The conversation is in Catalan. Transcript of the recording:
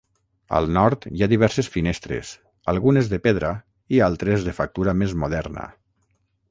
Al nord hi ha diverses finestres, algunes de pedra i altres de factura més moderna.